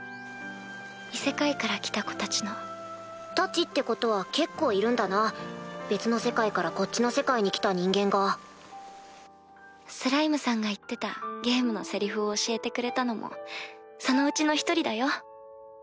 異世界から来た子たちの・・「たち」ってことは結構いるんだな・・別の世界からこっちの世界に来た人間が・スライムさんが言ってたゲームのセリフを教えてくれたのもそのうちの１人だよ。